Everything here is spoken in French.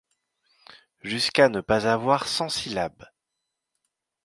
Jusqu'à ne pas avoir cent syllabes!